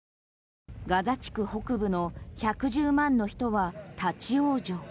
ガザ地区北部の１１０万の人は立ち往生。